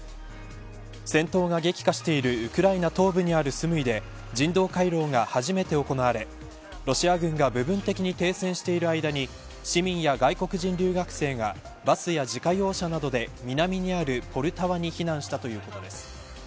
戦闘が激化しているウクライナ東部にあるスムイで人道回廊が初めて行われロシア軍が部分的に停戦している間に市民や外国人留学生がバスや自家用車などで南にあるポルタワに避難したということです。